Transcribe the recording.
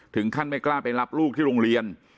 ถึงขั้นไม่กล้าไปรับลูกที่โรงเรียน